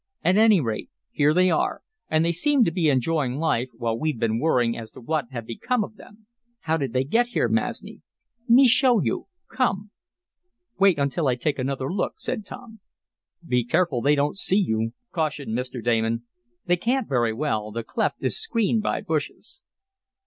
"At any rate here they are, and they seem to be enjoying life while we've been worrying as to what had become of them. How did they get here, Masni?" "Me show you. Come." "Wait until I take another look," said Tom. "Be careful they don't see you," cautioned Mr. Damon. "They can't very well. The cleft is screened by bushes."